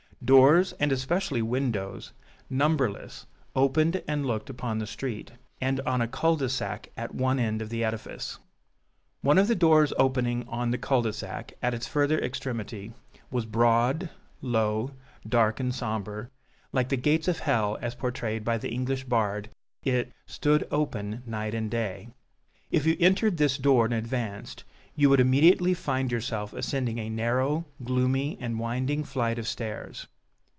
Doors, and especially windows, numberless, opened and looked upon the street, and on a cul de sac at one end of the edifice. One of the doors opening on the cul de sac, at its further extremity, was broad, low, dark and sombre; like the gates of hell, as portrayed by the English bard, it "stood open night and day." If you entered this door and advanced, you would immediately find yourself ascending a narrow, gloomy and winding flight of stairs.